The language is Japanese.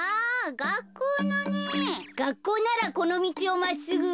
がっこうならこのみちをまっすぐ。